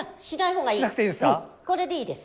うんこれでいいです。